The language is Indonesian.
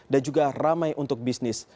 juga ramai untuk bisnis